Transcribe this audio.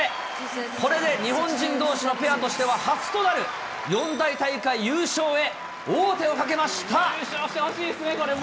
これで日本人どうしのペアとしては初となる四大大会優勝へ、優勝してほしいですね、これも。